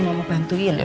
mumu mau bantu il ya